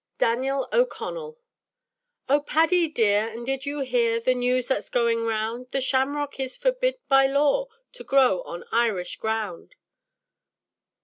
DANIEL O'CONNELL "O Paddy, dear, and did you hear The news that's going round? The shamrock is forbid by law To grow on Irish ground."